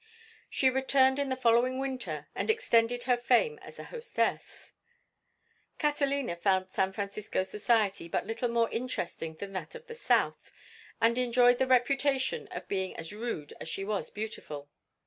She returned in the following winter and extended her fame as a hostess. Catalina found San Francisco society but little more interesting than that of the South, and enjoyed the reputation of being as rude as she was beautiful.